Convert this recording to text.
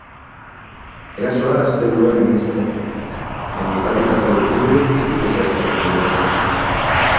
Erasoa asteburuan egin zuten, baina aipatutako iturriek ez dute zehaztasun gehiagorik eman.